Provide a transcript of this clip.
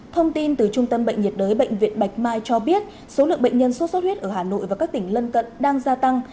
thông tin từ trung tâm bệnh nhiệt đới bệnh viện bạch mai cho biết số lượng bệnh nhân sốt xuất huyết ở hà nội và các tỉnh lân cận đang gia tăng